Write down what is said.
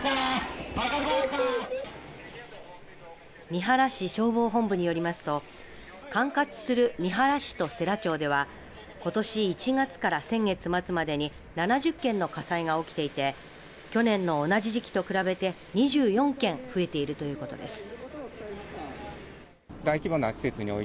三原市消防本部によりますと管轄する三原市と世羅町ではことし１月から先月末までに７０件の火災が起きていて去年の同じ時期と比べて２４件増えているということです。